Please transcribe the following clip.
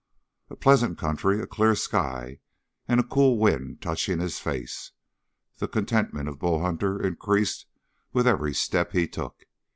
A pleasant country, a clear sky, and a cool wind touching at his face. The contentment of Bull Hunter increased with every step he took.